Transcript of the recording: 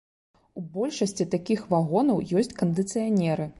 У большасці такіх вагонаў ёсць кандыцыянеры.